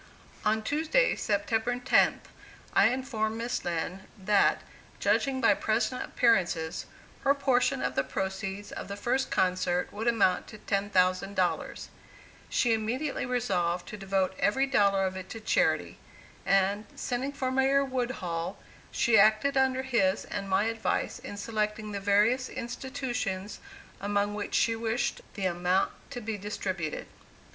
On Tuesday, September 10th, I informed Miss Lind that, judging by present appearances, her portion of the proceeds of the first concert would amount to $10,000. She immediately resolved to devote every dollar of it to charity; and, sending for Mayor Woodhull, she acted under his and my advice in selecting the various institutions among which she wished the amount to be distributed.